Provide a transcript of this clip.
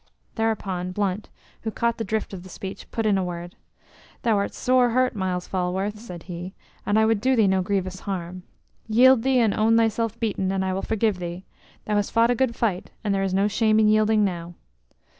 Thereupon Blunt, who caught the drift of the speech, put in a word. "Thou art sore hurt, Myles Falworth," said he, "and I would do thee no grievous harm. Yield thee and own thyself beaten, and I will forgive thee. Thou hast fought a good fight, and there is no shame in yielding now."